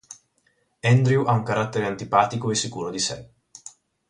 Andrew ha un carattere antipatico e sicuro di sé.